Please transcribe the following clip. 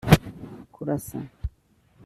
kurasa